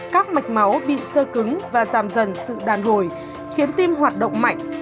các mạch máu bị sơ cứng và giảm dần sự đàn hồi khiến tim hoạt động mạnh